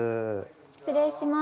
失礼します。